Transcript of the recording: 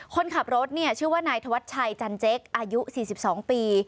คนขับรถเนี่ยชื่อว่านายธวัชชัยจันเจ๊กอายุ๔๒ปี